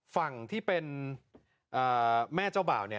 ฝั่งที่เป็นแม่เจ้าบ่าว